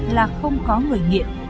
là không có người nghiện